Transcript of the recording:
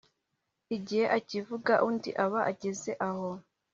igihe akivuga, undi aba ageze aho